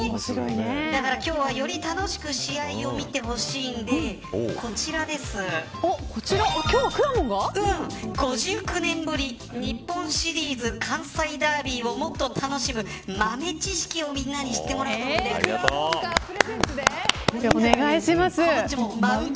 だから今日は、より楽しく試合を見てほしいんで今日はくらもんが５９年ぶり日本シリーズ関西ダービーをもっと楽しむ豆知識をみんなに知ってもらおうとお願いします。